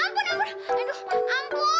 aduh ampun ampun